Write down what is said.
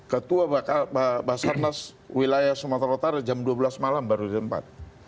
ketua basarnas wilayah sumatera utara jam dua belas malam baru ditempat